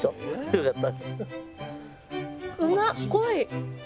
良かった。